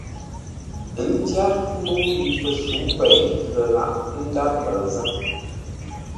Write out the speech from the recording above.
Ə́ ndyár mbəu yi pəsə̌u pêi lə lǎghʼ ńdár mbəu záp.